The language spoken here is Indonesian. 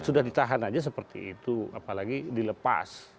sudah ditahan aja seperti itu apalagi dilepas